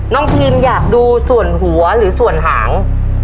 น้องพิมป์อยากดูส่วนหัวหรือส่วนหาง